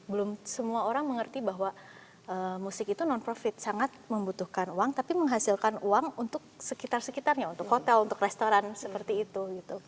belum semua orang mengerti bahwa musik itu non profit sangat membutuhkan uang tapi menghasilkan uang untuk sekitar sekitarnya untuk hotel untuk restoran seperti itu